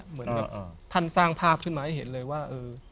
เหมือนกับท่านสร้างภาพขึ้นมาให้เห็นเลยว่า